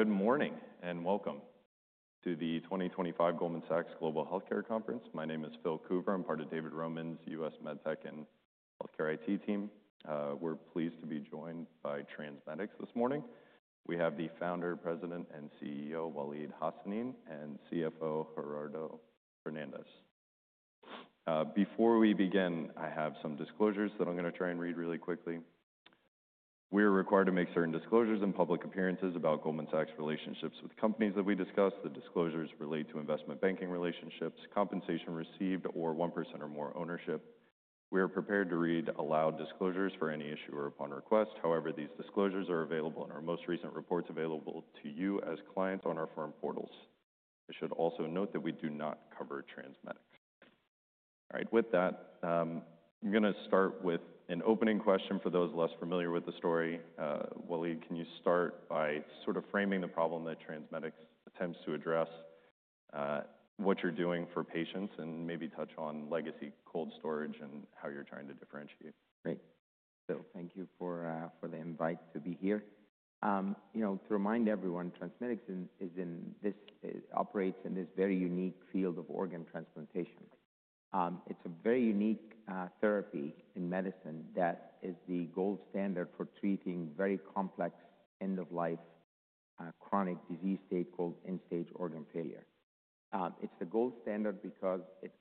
Good morning and welcome to the 2025 Goldman Sachs Global Healthcare Conference. My name is Phil Coover. I'm part of David Roman's U.S. MedTech and Healthcare IT team. We're pleased to be joined by TransMedics this morning. We have the Founder, President, and CEO Waleed Hassanein and CFO Gerardo Hernandez. Before we begin, I have some disclosures that I'm going to try and read really quickly. We are required to make certain disclosures in public appearances about Goldman Sachs' relationships with companies that we discuss. The disclosures relate to investment banking relationships, compensation received, or 1% or more ownership. We are prepared to read aloud disclosures for any issue or upon request. However, these disclosures are available in our most recent reports available to you as clients on our firm portals. I should also note that we do not cover TransMedics. All right, with that, I'm going to start with an opening question for those less familiar with the story. Waleed, can you start by sort of framing the problem that TransMedics attempts to address, what you're doing for patients, and maybe touch on legacy cold storage and how you're trying to differentiate? Great. Thank you for the invite to be here. You know, to remind everyone, TransMedics operates in this very unique field of organ transplantation. It is a very unique therapy in medicine that is the gold standard for treating very complex end-of-life chronic disease state called end-stage organ failure. It is the gold standard because it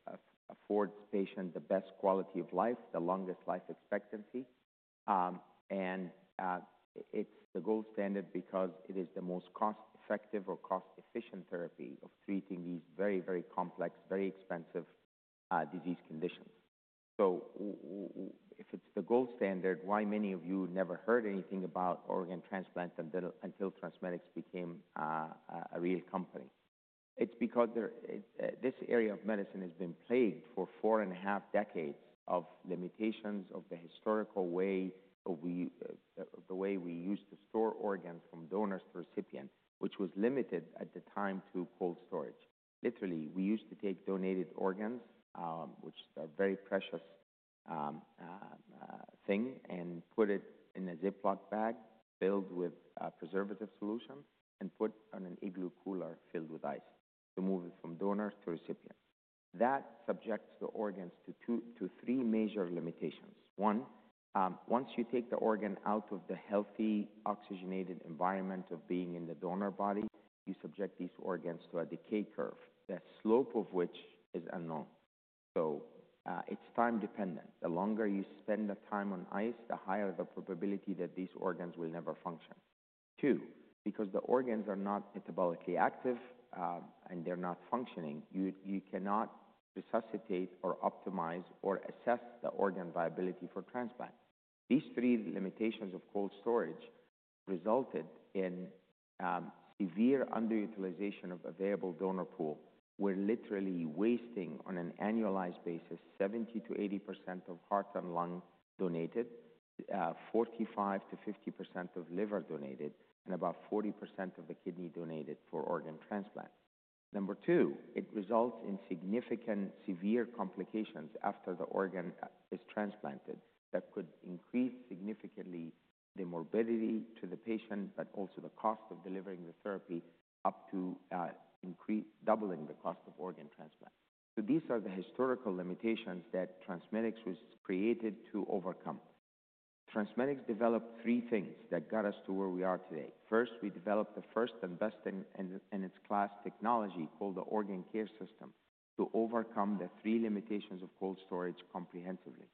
affords patients the best quality of life, the longest life expectancy, and it is the gold standard because it is the most cost-effective or cost-efficient therapy of treating these very, very complex, very expensive disease conditions. If it is the gold standard, why have many of you never heard anything about organ transplant until TransMedics became a real company? It's because this area of medicine has been plagued for four and a half decades of limitations of the historical way of the way we used to store organs from donors to recipients, which was limited at the time to cold storage. Literally, we used to take donated organs, which are a very precious thing, and put it in a Ziploc bag filled with preservative solution and put on an igloo cooler filled with ice to move it from donor to recipient. That subjects the organs to three major limitations. One, once you take the organ out of the healthy oxygenated environment of being in the donor body, you subject these organs to a decay curve, the slope of which is unknown. So it's time-dependent. The longer you spend the time on ice, the higher the probability that these organs will never function. Two, because the organs are not metabolically active and they're not functioning, you cannot resuscitate or optimize or assess the organ viability for transplant. These three limitations of cold storage resulted in severe underutilization of the available donor pool. We're literally wasting on an annualized basis 70%-80% of heart and lung donated, 45%-50% of liver donated, and about 40% of the kidney donated for organ transplant. Number two, it results in significant severe complications after the organ is transplanted that could increase significantly the morbidity to the patient, but also the cost of delivering the therapy up to doubling the cost of organ transplant. These are the historical limitations that TransMedics was created to overcome. TransMedics developed three things that got us to where we are today. First, we developed the first and best in its class technology called the Organ Care System to overcome the three limitations of cold storage comprehensively.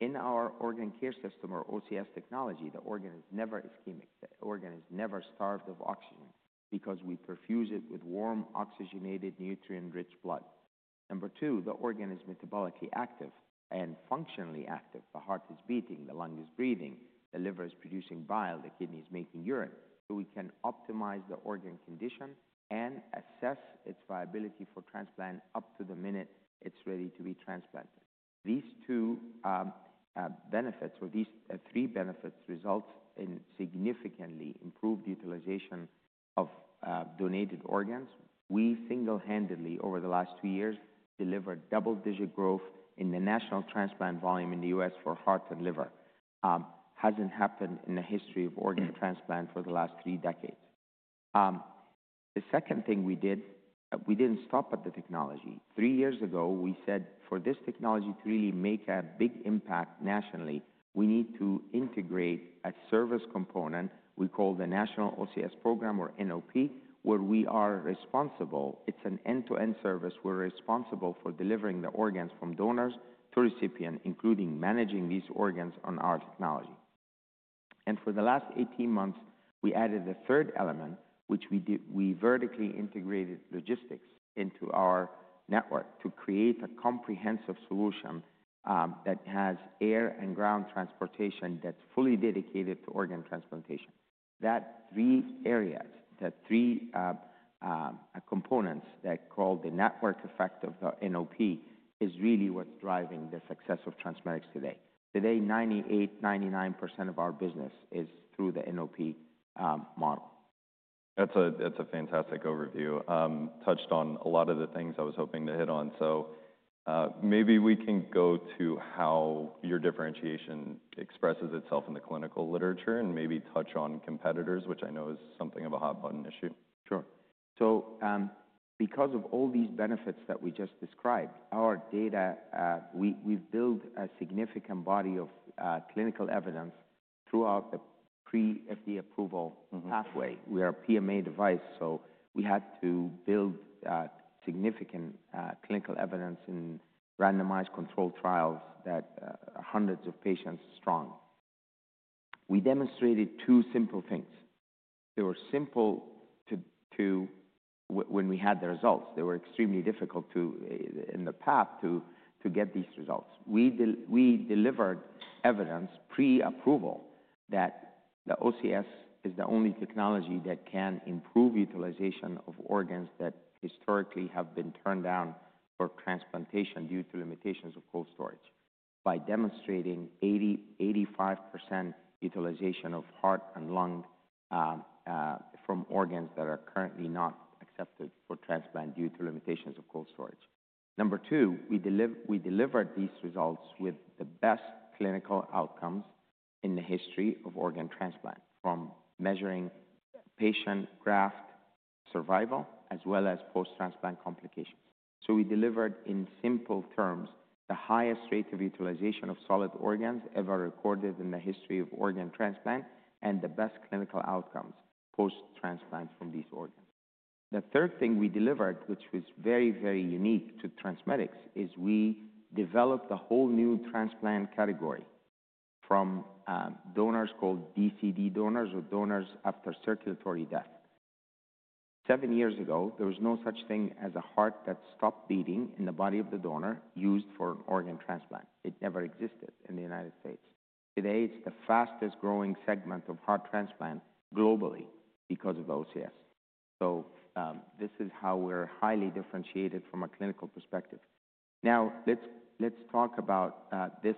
In our Organ Care System or OCS technology, the organ is never ischemic. The organ is never starved of oxygen because we perfuse it with warm, oxygenated, nutrient-rich blood. Number two, the organ is metabolically active and functionally active. The heart is beating, the lung is breathing, the liver is producing bile, the kidney is making urine. We can optimize the organ condition and assess its viability for transplant up to the minute it is ready to be transplanted. These two benefits, or these three benefits, result in significantly improved utilization of donated organs. We single-handedly, over the last two years, delivered double-digit growth in the national transplant volume in the U.S. for heart and liver. It hasn't happened in the history of organ transplant for the last three decades. The second thing we did, we didn't stop at the technology. Three years ago, we said for this technology to really make a big impact nationally, we need to integrate a service component we call the National OCS Program, or NOP, where we are responsible. It's an end-to-end service. We're responsible for delivering the organs from donors to recipient, including managing these organs on our technology. For the last 18 months, we added the third element, which is we vertically integrated logistics into our network to create a comprehensive solution that has air and ground transportation that's fully dedicated to organ transplantation. That three areas, the three components that call the network effect of the NOP, is really what's driving the success of TransMedics today. Today, 98%-99% of our business is through the NOP model. That's a fantastic overview. Touched on a lot of the things I was hoping to hit on. Maybe we can go to how your differentiation expresses itself in the clinical literature and maybe touch on competitors, which I know is something of a hot-button issue. Sure. Because of all these benefits that we just described, our data, we have built a significant body of clinical evidence throughout the pre-FDA approval pathway. We are a PMA device, so we had to build significant clinical evidence in randomized controlled trials that are hundreds of patients strong. We demonstrated two simple things. They were simple when we had the results. They were extremely difficult in the path to get these results. We delivered evidence pre-approval that the OCS is the only technology that can improve utilization of organs that historically have been turned down for transplantation due to limitations of cold storage by demonstrating 85% utilization of heart and lung from organs that are currently not accepted for transplant due to limitations of cold storage. Number two, we delivered these results with the best clinical outcomes in the history of organ transplant from measuring patient graft survival as well as post-transplant complications. We delivered, in simple terms, the highest rate of utilization of solid organs ever recorded in the history of organ transplant and the best clinical outcomes post-transplant from these organs. The third thing we delivered, which was very, very unique to TransMedics, is we developed a whole new transplant category from donors called DCD donors or donors after circulatory death. Seven years ago, there was no such thing as a heart that stopped beating in the body of the donor used for an organ transplant. It never existed in the United States. Today, it is the fastest-growing segment of heart transplant globally because of the OCS. This is how we are highly differentiated from a clinical perspective. Now, let's talk about this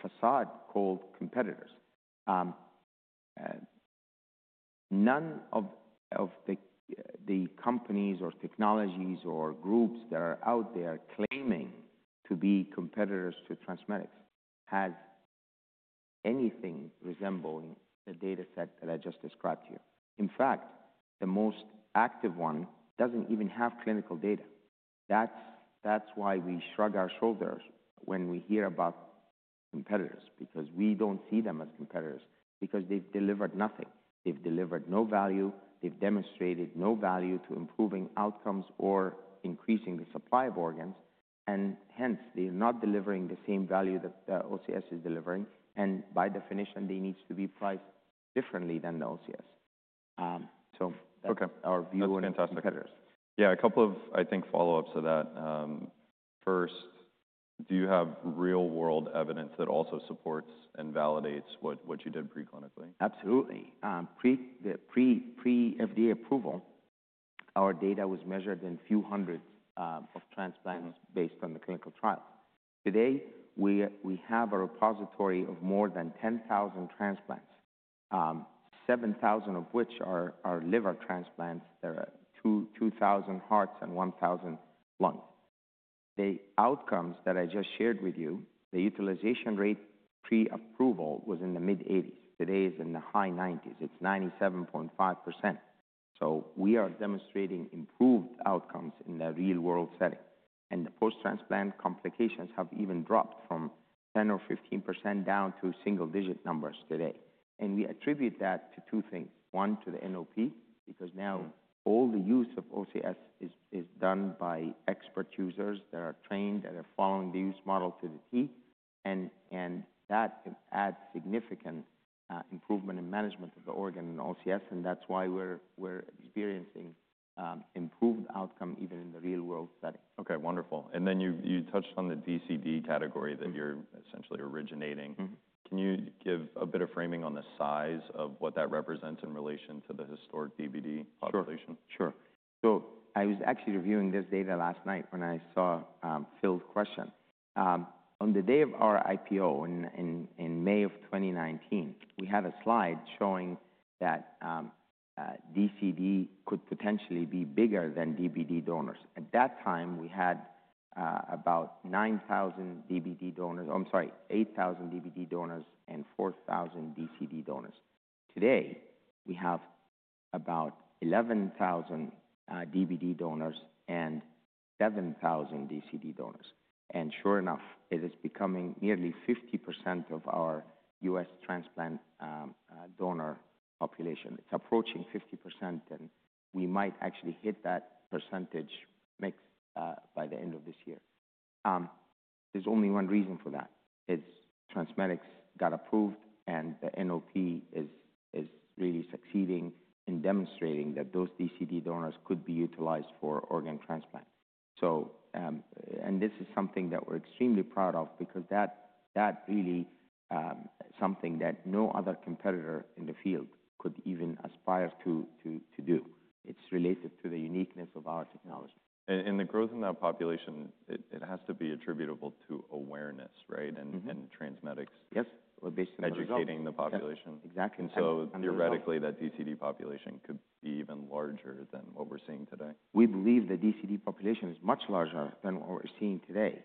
facade called competitors. None of the companies or technologies or groups that are out there claiming to be competitors to TransMedics has anything resembling the data set that I just described to you. In fact, the most active one does not even have clinical data. That is why we shrug our shoulders when we hear about competitors, because we do not see them as competitors because they have delivered nothing. They have delivered no value. They have demonstrated no value to improving outcomes or increasing the supply of organs. Hence, they are not delivering the same value that the OCS is delivering. By definition, they need to be priced differently than the OCS. That is our view on competitors. Yeah, a couple of, I think, follow-ups to that. First, do you have real-world evidence that also supports and validates what you did preclinically? Absolutely. Pre-FDA approval, our data was measured in a few hundreds of transplants based on the clinical trials. Today, we have a repository of more than 10,000 transplants, 7,000 of which are liver transplants. There are 2,000 hearts and 1,000 lungs. The outcomes that I just shared with you, the utilization rate pre-approval was in the mid-80s. Today is in the high 90s. It's 97.5%. We are demonstrating improved outcomes in the real-world setting. The post-transplant complications have even dropped from 10% or 15% down to single-digit numbers today. We attribute that to two things. One, to the NOP, because now all the use of OCS is done by expert users that are trained and are following the use model to the T. That adds significant improvement in management of the organ and OCS. That's why we're experiencing improved outcome even in the real-world setting. Okay, wonderful. You touched on the DCD category that you're essentially originating. Can you give a bit of framing on the size of what that represents in relation to the historic DBD population? Sure. I was actually reviewing this data last night when I saw Phil's question. On the day of our IPO in May of 2019, we had a slide showing that DCD could potentially be bigger than DBD donors. At that time, we had about 8,000 DBD donors and 4,000 DCD donors. Today, we have about 11,000 DBD donors and 7,000 DCD donors. It is becoming nearly 50% of our U.S. transplant donor population. It's approaching 50%, and we might actually hit that percentage mix by the end of this year. There's only one reason for that. It's TransMedics got approved, and the NOP is really succeeding in demonstrating that those DCD donors could be utilized for organ transplant. This is something that we're extremely proud of because that really is something that no other competitor in the field could even aspire to do. It's related to the uniqueness of our technology. The growth in that population, it has to be attributable to awareness, right, and TransMedics educating the population? Yes. Exactly. Theoretically, that DCD population could be even larger than what we're seeing today? We believe the DCD population is much larger than what we're seeing today.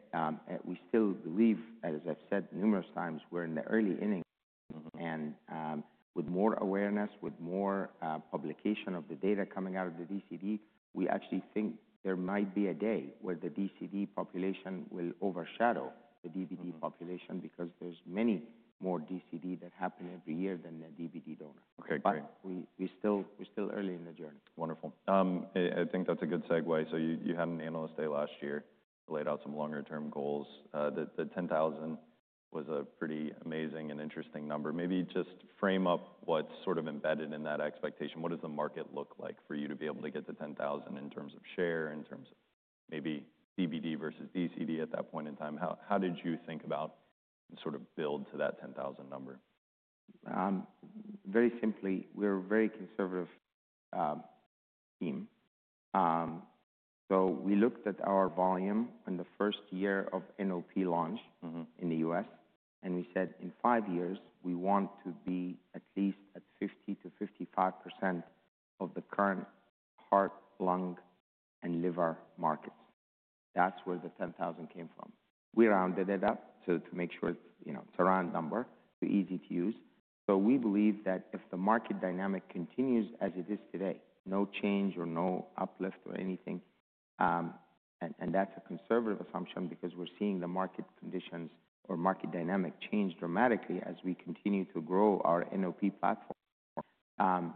We still believe, as I've said numerous times, we're in the early innings. With more awareness, with more publication of the data coming out of the DCD, we actually think there might be a day where the DCD population will overshadow the DBD population because there's many more DCD that happen every year than the DBD donor. We're still early in the journey. Wonderful. I think that's a good segue. You had an analyst day last year to lay out some longer-term goals. The 10,000 was a pretty amazing and interesting number. Maybe just frame up what's sort of embedded in that expectation. What does the market look like for you to be able to get to 10,000 in terms of share, in terms of maybe DBD versus DCD at that point in time? How did you think about and sort of build to that 10,000 number? Very simply, we're a very conservative team. We looked at our volume in the first year of NOP launch in the U.S. and we said in five years, we want to be at least at 50%-55% of the current heart, lung, and liver markets. That's where the 10,000 came from. We rounded it up to make sure it's a round number, so easy to use. We believe that if the market dynamic continues as it is today, no change or no uplift or anything, and that's a conservative assumption because we're seeing the market conditions or market dynamic change dramatically as we continue to grow our NOP platform,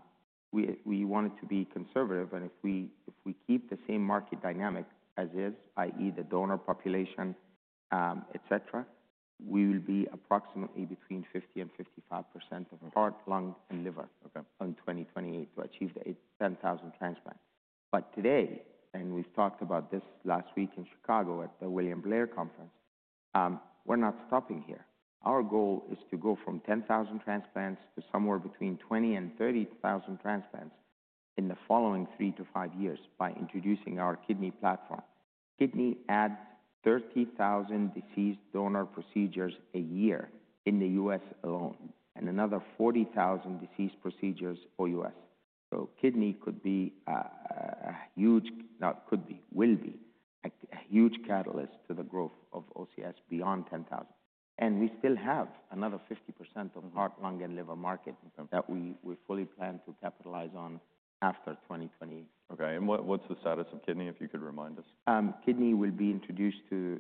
we wanted to be conservative. If we keep the same market dynamic as is, i.e., the donor population, etc., we will be approximately between 50% and 55% of heart, lung, and liver in 2028 to achieve the 10,000 transplant. Today, and we talked about this last week in Chicago at the William Blair Conference, we're not stopping here. Our goal is to go from 10,000 transplants to somewhere between 20,000 and 30,000 transplants in the following three to five years by introducing our Kidney Platform. Kidney adds 30,000 deceased donor procedures a year in the U.S. alone and another 40,000 deceased procedures OUS. Kidney could be a huge, not could be, will be a huge catalyst to the growth of OCS beyond 10,000. We still have another 50% of heart, lung, and liver market that we fully plan to capitalize on after 2028. Okay. What's the status of kidney, if you could remind us? Kidney will be introduced to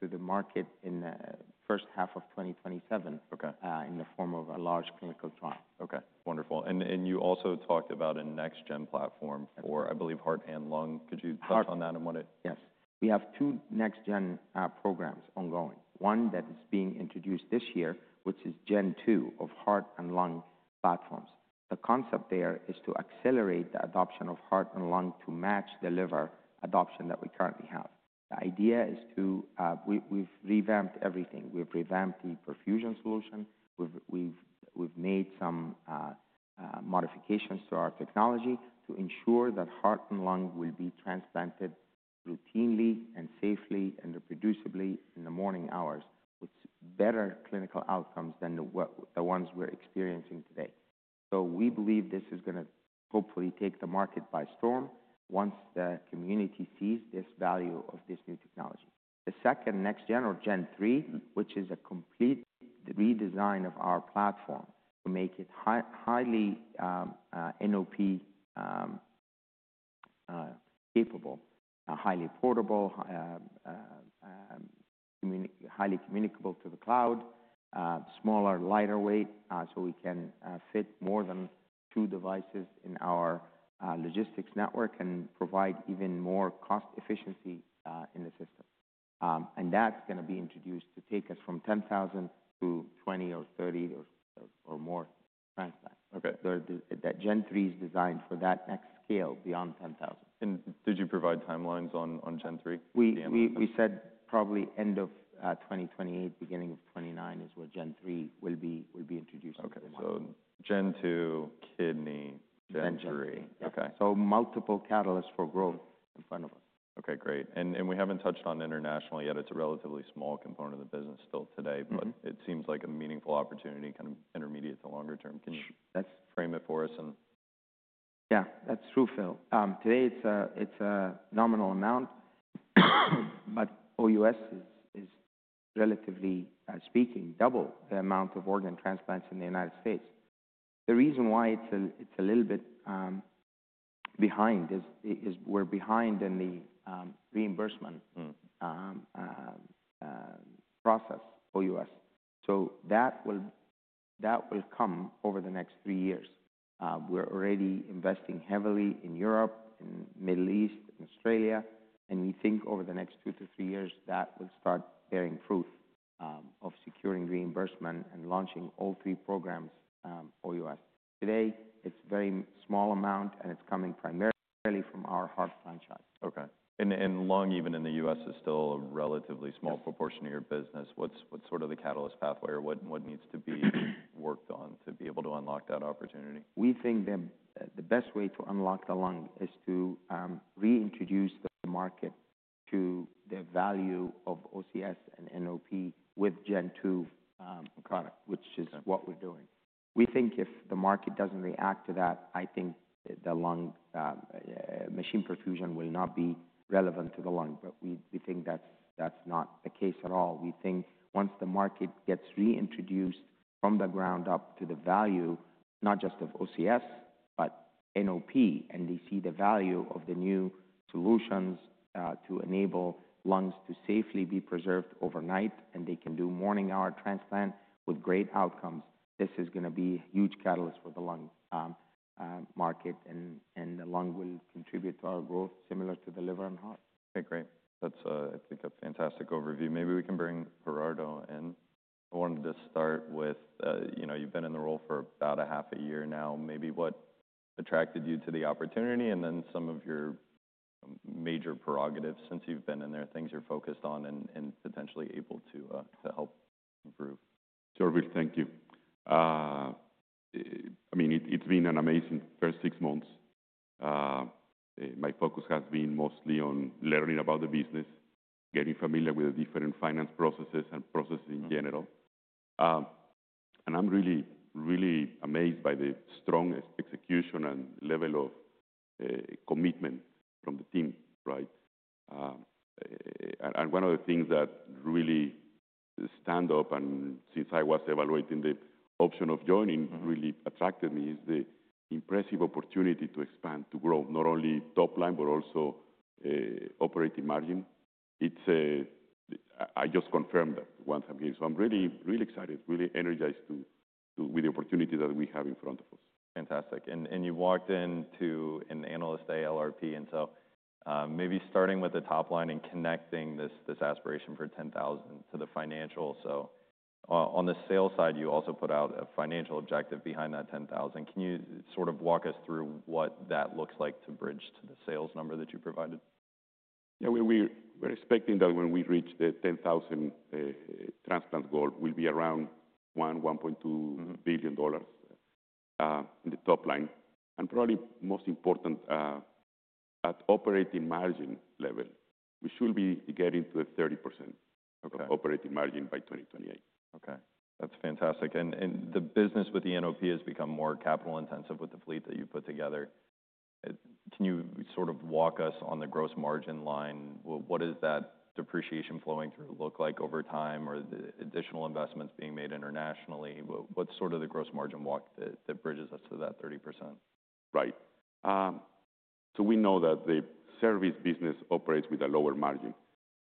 the market in the first half of 2027 in the form of a large clinical trial. Okay. Wonderful. You also talked about a next-gen platform for, I believe, heart and lung. Could you touch on that and what it? Yes. We have two next-gen programs ongoing. One that is being introduced this year, which is Gen 2 of heart and lung platforms. The concept there is to accelerate the adoption of heart and lung to match the liver adoption that we currently have. The idea is to, we've revamped everything. We've revamped the perfusion solution. We've made some modifications to our technology to ensure that heart and lung will be transplanted routinely and safely and reproducibly in the morning hours with better clinical outcomes than the ones we're experiencing today. We believe this is going to hopefully take the market by storm once the community sees this value of this new technology. The second next gen, or Gen 3, which is a complete redesign of our platform to make it highly NOP-capable, highly portable, highly communicable to the cloud, smaller, lighter weight, so we can fit more than two devices in our logistics network and provide even more cost efficiency in the system. That is going to be introduced to take us from 10,000 to 20 or 30 or more transplants. That Gen 3 is designed for that next scale beyond 10,000. Did you provide timelines on Gen 3? We said probably end of 2028, beginning of 2029 is where Gen 3 will be introduced. Okay. So Gen 2, kidney, Gen 3.. Multiple catalysts for growth in front of us. Okay. Great. We haven't touched on international yet. It's a relatively small component of the business still today, but it seems like a meaningful opportunity, kind of intermediate to longer term. Can you frame it for us? Yeah, that's true, Phil. Today, it's a nominal amount, but OUS is, relatively speaking, double the amount of organ transplants in the United States. The reason why it's a little bit behind is we're behind in the reimbursement process OUS. That will come over the next three years. We're already investing heavily in Europe, in the Middle East, in Australia. We think over the next two to three years, that will start bearing fruit of securing reimbursement and launching all three programs OUS. Today, it's a very small amount, and it's coming primarily from our heart franchise. Okay. And lung, even in the U.S., is still a relatively small proportion of your business. What's sort of the catalyst pathway or what needs to be worked on to be able to unlock that opportunity? We think the best way to unlock the lung is to reintroduce the market to the value of OCS and NOP with Gen 2 product, which is what we're doing. We think if the market doesn't react to that, I think the lung machine perfusion will not be relevant to the lung. We think that's not the case at all. We think once the market gets reintroduced from the ground up to the value, not just of OCS, but NOP, and they see the value of the new solutions to enable lungs to safely be preserved overnight, and they can do morning-hour transplant with great outcomes, this is going to be a huge catalyst for the lung market, and the lung will contribute to our growth similar to the liver and heart. Okay. Great. That's, I think, a fantastic overview. Maybe we can bring Gerardo in. I wanted to start with, you've been in the role for about half a year now. Maybe what attracted you to the opportunity and then some of your major prerogatives since you've been in there, things you're focused on and potentially able to help improve? Sure. Thank you. I mean, it's been an amazing first six months. My focus has been mostly on learning about the business, getting familiar with the different finance processes and processes in general. I'm really, really amazed by the strong execution and level of commitment from the team, right? One of the things that really stands out, and since I was evaluating the option of joining, really attracted me is the impressive opportunity to expand, to grow, not only top line, but also operating margin. I just confirmed that once I'm here. I'm really, really excited, really energized with the opportunity that we have in front of us. Fantastic. You walked into an analyst day at LRP. Maybe starting with the top line and connecting this aspiration for 10,000 to the financial. On the sales side, you also put out a financial objective behind that 10,000. Can you sort of walk us through what that looks like to bridge to the sales number that you provided? Yeah. We're expecting that when we reach the 10,000 transplant goal, we'll be around $1 billion-$1.2 billion in the top line. And probably most important, at operating margin level, we should be getting to 30% operating margin by 2028. Okay. That's fantastic. The business with the NOP has become more capital intensive with the fleet that you put together. Can you sort of walk us on the gross margin line? What does that depreciation flowing through look like over time or the additional investments being made internationally? What's sort of the gross margin walk that bridges us to that 30%? Right. We know that the service business operates with a lower margin,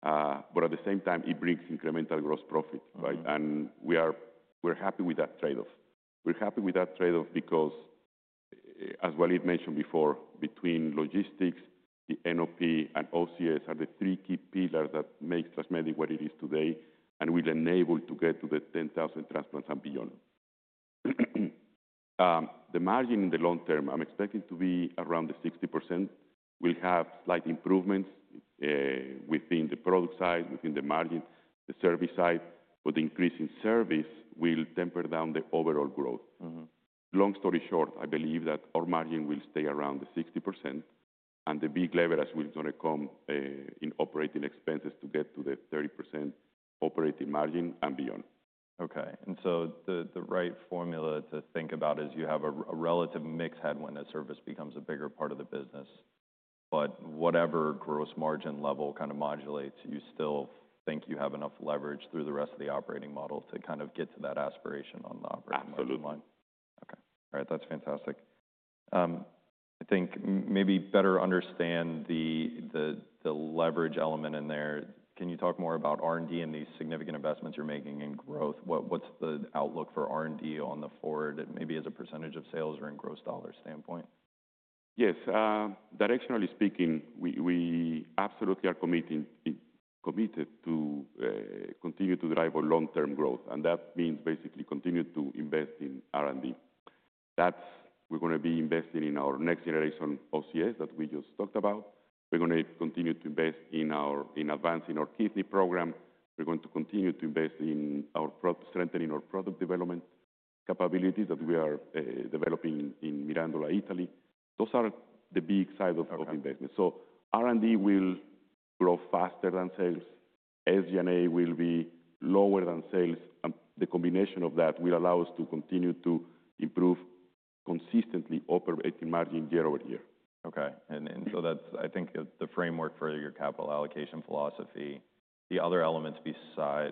but at the same time, it brings incremental gross profit, right? We are happy with that trade-off. We are happy with that trade-off because, as Waleed mentioned before, between logistics, the NOP, and OCS are the three key pillars that make TransMedics what it is today and will enable us to get to the 10,000 transplants and beyond. The margin in the long term, I am expecting to be around the 60%. We will have slight improvements within the product side, within the margin, the service side. The increase in service will temper down the overall growth. Long story short, I believe that our margin will stay around the 60%, and the big leverage will kind of come in operating expenses to get to the 30% operating margin and beyond. Okay. The right formula to think about is you have a relative mix head when the service becomes a bigger part of the business. Whatever gross margin level kind of modulates, you still think you have enough leverage through the rest of the operating model to kind of get to that aspiration on the operating line. Absolutely. Okay. All right. That's fantastic. I think maybe better understand the leverage element in there. Can you talk more about R&D and these significant investments you're making in growth? What's the outlook for R&D on the forward, maybe as a percentage of sales or in gross dollar standpoint? Yes. Directionally speaking, we absolutely are committed to continue to drive our long-term growth. That means basically continue to invest in R&D. We're going to be investing in our next-generation OCS that we just talked about. We're going to continue to invest in advancing our kidney program. We're going to continue to invest in strengthening our product development capabilities that we are developing in Mirandola, Italy. Those are the big side of investment. R&D will grow faster than sales. SG&A will be lower than sales. The combination of that will allow us to continue to improve consistently operating margin year over year. Okay. And so that's, I think, the framework for your capital allocation philosophy. The other elements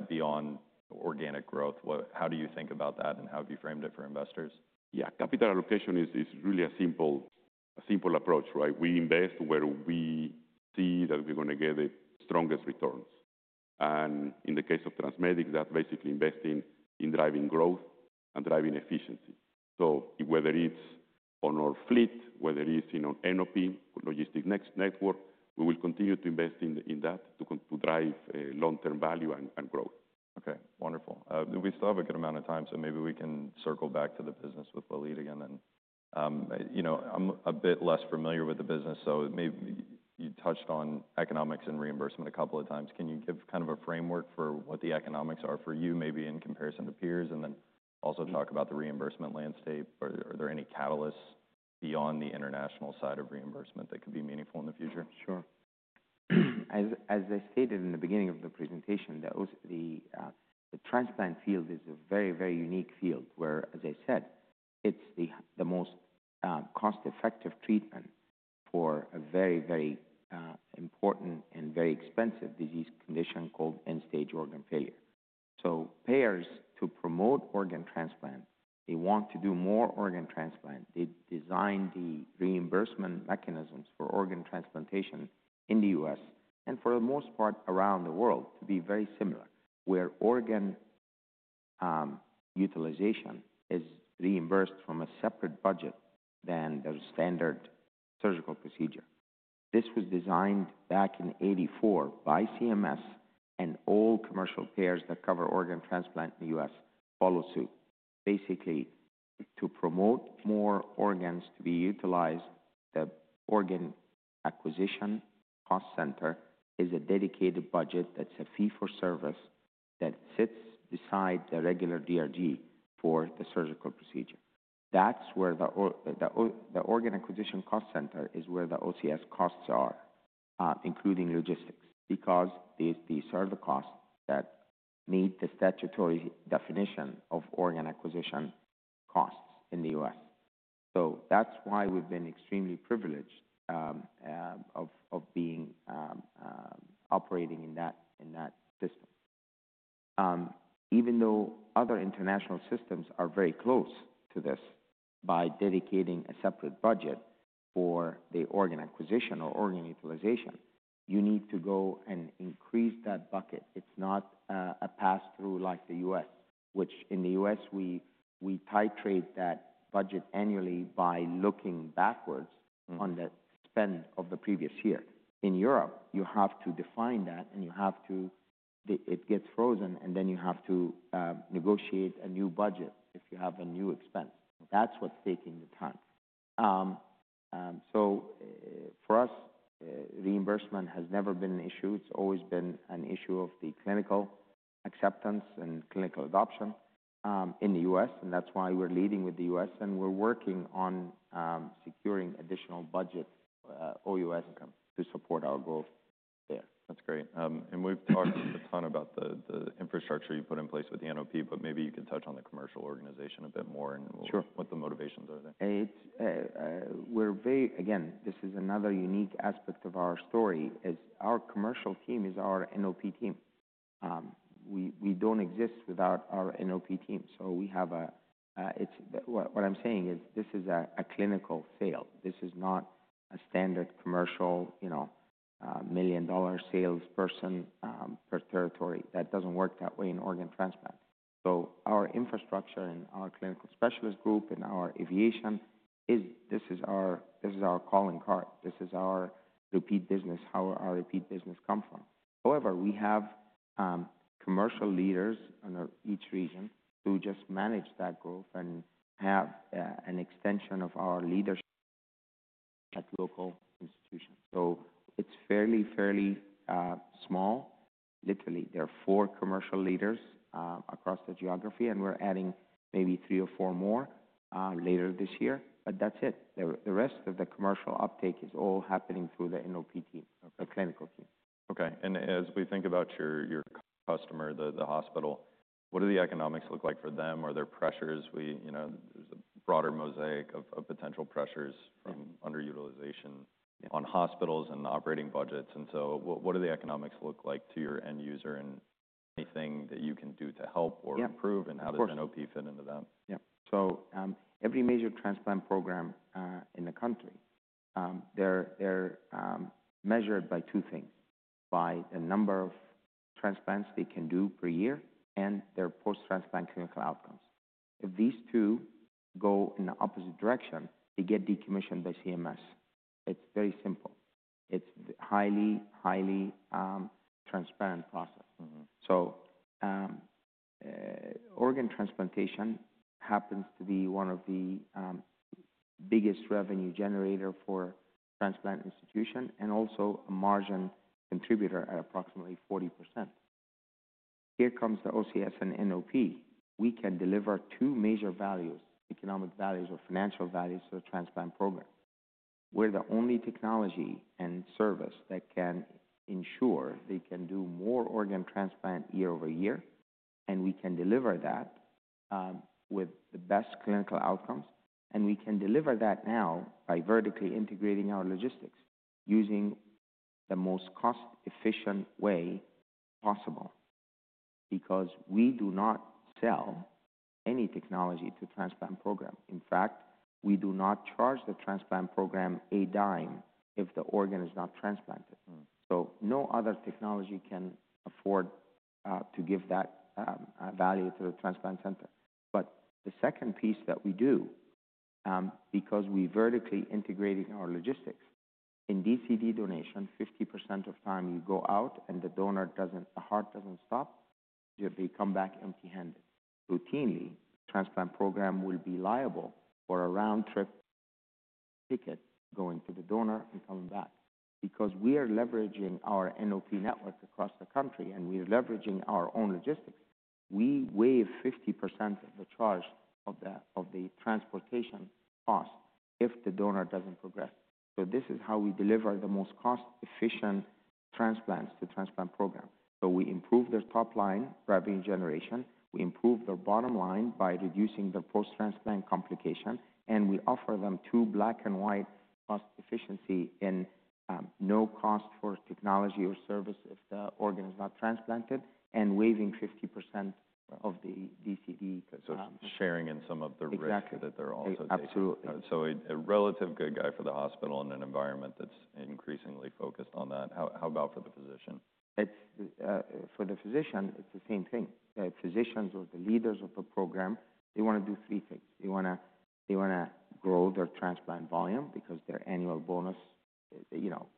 beyond organic growth, how do you think about that and how have you framed it for investors? Yeah. Capital allocation is really a simple approach, right? We invest where we see that we're going to get the strongest returns. In the case of TransMedics, that's basically investing in driving growth and driving efficiency. Whether it's on our fleet, whether it's in our NOP logistic network, we will continue to invest in that to drive long-term value and growth. Okay. Wonderful. We still have a good amount of time, so maybe we can circle back to the business with Waleed again then. I'm a bit less familiar with the business, so maybe you touched on economics and reimbursement a couple of times. Can you give kind of a framework for what the economics are for you, maybe in comparison to peers, and then also talk about the reimbursement landscape? Are there any catalysts beyond the international side of reimbursement that could be meaningful in the future? Sure. As I stated in the beginning of the presentation, the transplant field is a very, very unique field where, as I said, it's the most cost-effective treatment for a very, very important and very expensive disease condition called end-stage organ failure. Payers, to promote organ transplant, they want to do more organ transplant. They design the reimbursement mechanisms for organ transplantation in the U.S. and for the most part around the world to be very similar, where organ utilization is reimbursed from a separate budget than the standard surgical procedure. This was designed back in 1984 by CMS, and all commercial payers that cover organ transplant in the U.S. follow suit. Basically, to promote more organs to be utilized, the organ acquisition cost center is a dedicated budget that's a fee-for-service that sits beside the regular DRG for the surgical procedure. That's where the organ acquisition cost center is, where the OCS costs are, including logistics, because they serve the costs that meet the statutory definition of organ acquisition costs in the U.S. That's why we've been extremely privileged of being operating in that system. Even though other international systems are very close to this by dedicating a separate budget for the organ acquisition or organ utilization, you need to go and increase that bucket. It's not a pass-through like the U.S., which in the U.S., we titrate that budget annually by looking backwards on the spend of the previous year. In Europe, you have to define that, and you have to—it gets frozen, and then you have to negotiate a new budget if you have a new expense. That's what's taking the time. For us, reimbursement has never been an issue.It's always been an issue of the clinical acceptance and clinical adoption in the U.S. That's why we're leading with the U.S., and we're working on securing additional budget OUS to support our growth there. That's great. We've talked a ton about the infrastructure you put in place with the NOP, but maybe you could touch on the commercial organization a bit more and what the motivations are there. Sure. Again, this is another unique aspect of our story. Our commercial team is our NOP team. We do not exist without our NOP team. What I am saying is this is a clinical sale. This is not a standard commercial million-dollar salesperson per territory. That does not work that way in organ transplant. Our infrastructure and our clinical specialist group and our aviation, this is our calling card. This is our repeat business. How our repeat business comes from. However, we have commercial leaders under each region who just manage that growth and have an extension of our leadership at local institutions. It is fairly, fairly small. Literally, there are four commercial leaders across the geography, and we are adding maybe three or four more later this year. That is it. The rest of the commercial uptake is all happening through the NOP team, the clinical team. Okay. As we think about your customer, the hospital, what do the economics look like for them? Are there pressures? There is a broader mosaic of potential pressures from underutilization on hospitals and operating budgets. What do the economics look like to your end user and anything that you can do to help or improve? How does NOP fit into that? Yeah. Every major transplant program in the country, they're measured by two things: by the number of transplants they can do per year and their post-transplant clinical outcomes. If these two go in the opposite direction, they get decommissioned by CMS. It's very simple. It's a highly, highly transparent process. Organ transplantation happens to be one of the biggest revenue generators for transplant institutions and also a margin contributor at approximately 40%. Here comes the OCS and NOP. We can deliver two major values, economic values or financial values to the transplant program. We're the only technology and service that can ensure they can do more organ transplant year over year, and we can deliver that with the best clinical outcomes. We can deliver that now by vertically integrating our logistics using the most cost-efficient way possible because we do not sell any technology to the transplant program. In fact, we do not charge the transplant program a dime if the organ is not transplanted. No other technology can afford to give that value to the transplant center. The second piece that we do, because we're vertically integrating our logistics, in DCD donation, 50% of the time you go out and the donor does not—the heart does not stop, they come back empty-handed. Routinely, the transplant program will be liable for a round-trip ticket going to the donor and coming back. Because we are leveraging our NOP network across the country and we're leveraging our own logistics, we waive 50% of the charge of the transportation cost if the donor does not progress. This is how we deliver the most cost-efficient transplants to the transplant program. We improve their top line revenue generation. We improve their bottom line by reducing their post-transplant complication. We offer them two black-and-white cost efficiency and no cost for technology or service if the organ is not transplanted and waiving 50% of the DCD. Sharing in some of the risk that they're also taking. Exactly. Absolutely. So a relatively good guy for the hospital in an environment that's increasingly focused on that. How about for the physician? For the physician, it's the same thing. Physicians or the leaders of the program, they want to do three things. They want to grow their transplant volume because their annual bonus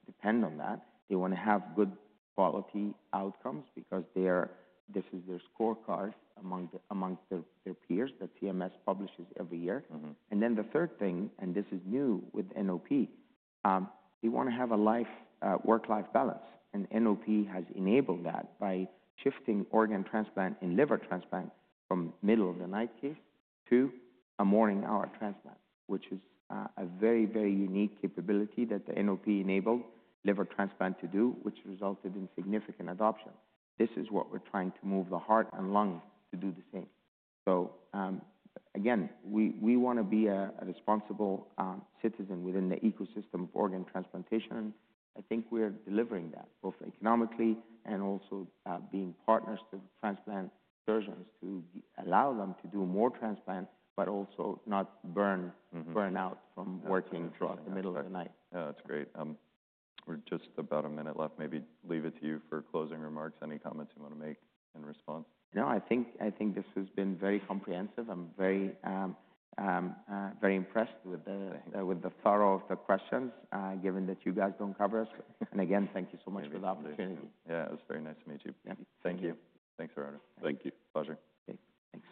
depends on that. They want to have good quality outcomes because this is their scorecard amongst their peers that CMS publishes every year. The third thing, and this is new with NOP, they want to have a work-life balance. NOP has enabled that by shifting organ transplant and liver transplant from middle-of-the-night case to a morning-hour transplant, which is a very, very unique capability that the NOP enabled liver transplant to do, which resulted in significant adoption. This is what we're trying to move the heart and lungs to do the same. Again, we want to be a responsible citizen within the ecosystem of organ transplantation. I think we're delivering that both economically and also being partners to transplant surgeons to allow them to do more transplant, but also not burn out from working in the middle of the night. That's great. We're just about a minute left. Maybe leave it to you for closing remarks. Any comments you want to make in response? No, I think this has been very comprehensive. I'm very impressed with the thoroughness of the questions, given that you guys don't cover us. Again, thank you so much for the opportunity. Yeah. It was very nice to meet you. Thank you. Thanks, Gerardo. Thank you. Pleasure. Thanks.